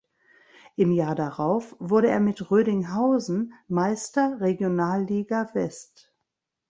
Im Jahr darauf wurde er mit Rödinghausen Meister Regionalliga West.